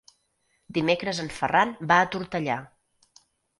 Dimecres en Ferran va a Tortellà.